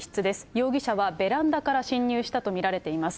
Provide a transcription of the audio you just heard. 容疑者はベランダから侵入したと見られています。